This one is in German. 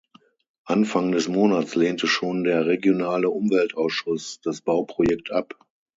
Anfang des Monats lehnte schon der regionale Umweltausschuss das Bauprojekt ab.